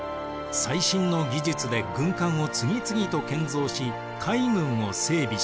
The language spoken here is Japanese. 最新の技術で軍艦を次々と建造し海軍を整備します。